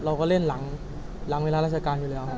เราก็เล่นหลังเวลาราชการอยู่แล้วครับ